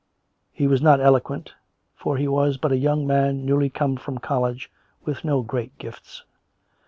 He was not eloquent, for he was but a young man newly come from college, with no great gifts.